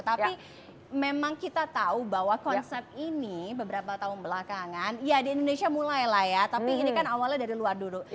tapi memang kita tahu bahwa konsep ini beberapa tahun belakangan ya di indonesia mulai lah ya tapi ini kan awalnya dari luar dulu